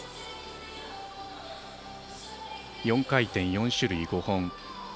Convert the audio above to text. ４回転、４種類５本。